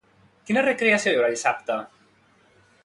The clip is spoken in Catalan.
Quina recreació hi haurà dissabte?